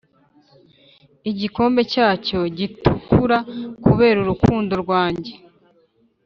igikombe cyacyo gitukura kubera urukundo rwanjye.